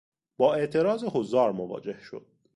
با اعتراض حضار مواجه شد.